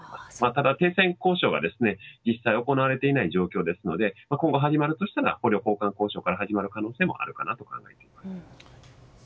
ただ停戦交渉が実際行われていない状況ですので今後、始まるとしたら捕虜交換交渉から始まる可能性もあるかなと考えています。